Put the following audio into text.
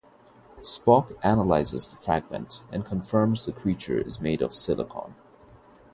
Spock analyzes the fragment, and confirms the creature is made of silicon.